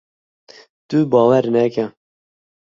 Tu bawer neke!